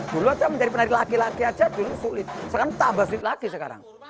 dulu aja menjadi penari laki laki aja dulu sulit sekarang tambah sulit lagi sekarang